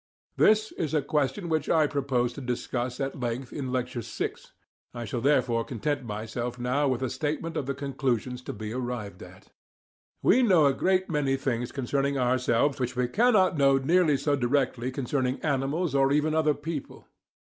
This is a question which I propose to discuss at length in Lecture VI; I shall therefore content myself now with a statement of the conclusions to be arrived at. We know a great many things concerning ourselves which we cannot know nearly so directly concerning animals or even other people.